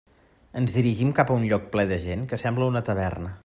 Ens dirigim cap a un lloc ple de gent que sembla una taverna.